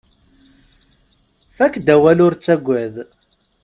Fakk-d awal ur ttagad.